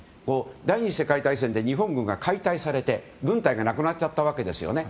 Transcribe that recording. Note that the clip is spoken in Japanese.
第２次世界大戦で日本軍が解体されて軍隊がなくなっちゃったわけですね。